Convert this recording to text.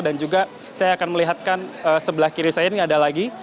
dan juga saya akan melihatkan sebelah kiri saya ini ada lagi